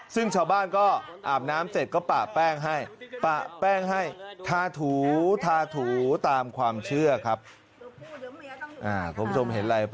ซึ่งชาวบ้านก็อาบน้ำเสร็จก็ปะแป้งให้